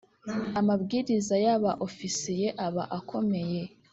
amabwiriza ya Ba ofisiye aba akomeye.